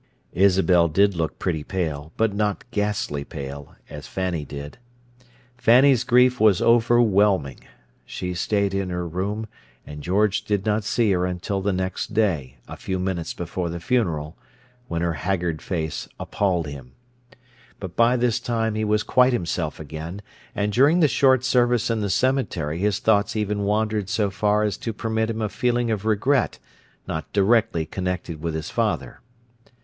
Isabel did look pretty pale, but not ghastly pale, as Fanny did. Fanny's grief was overwhelming; she stayed in her room, and George did not see her until the next day, a few minutes before the funeral, when her haggard face appalled him. But by this time he was quite himself again, and during the short service in the cemetery his thoughts even wandered so far as to permit him a feeling of regret not directly connected with his father.